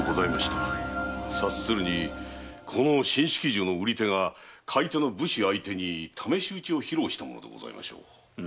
察するにこの新式銃の売り手が買い手の武士相手に試し撃ちを披露したのでしょう。